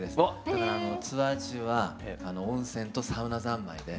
だからツアー中は温泉とサウナ三昧で。